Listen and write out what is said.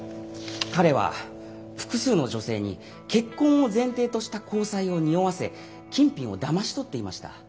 彼は複数の女性に結婚を前提とした交際をにおわせ金品をだまし取っていました。